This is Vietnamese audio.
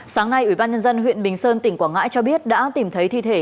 sáng nay ủy ban nhân dân huyện bình sơn tỉnh quảng ngãi cho biết đã tìm thấy thi thể